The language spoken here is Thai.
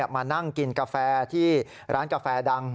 มานั่งกินกาแฟที่ร้านกาแฟดัง